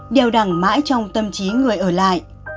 đeo đẳng mãi trong tâm trí người ở lại